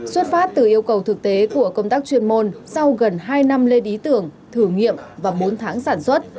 xuất phát từ yêu cầu thực tế của công tác chuyên môn sau gần hai năm lên ý tưởng thử nghiệm và bốn tháng sản xuất